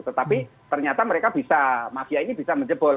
tetapi ternyata mereka bisa mafia ini bisa menjebol